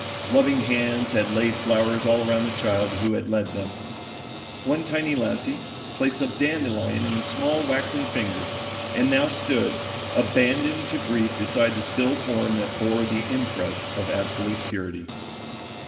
Loving hands had laid flowers all around the child who had led them. One tiny lassie placed a dandelion in the small waxen fingers and now stood, abandoned to grief beside the still form that bore the impress of absolute purity.